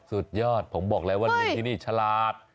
สุดยอดผมบอกแล้วว่าลิงที่นี่ฉลาด